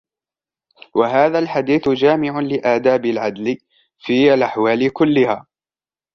وَهَذَا الْحَدِيثُ جَامِعٌ لِآدَابِ الْعَدْلِ فِي الْأَحْوَالِ كُلِّهَا